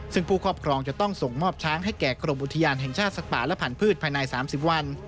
ซึ่งผู้ครอบครองจะต้องส่งมอบช้างให้แก่กรมอุทยานแห่งชาติสัตว์ป่าและผันพืชภายใน๓๐วัน